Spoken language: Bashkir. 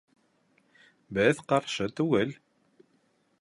Беҙ ҡаршы түгел